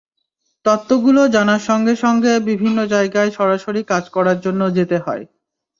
তত্ত্বগুলো জানার সঙ্গে সঙ্গে বিভিন্ন জায়গায় সরাসরি কাজ করার জন্য যেতে হয়।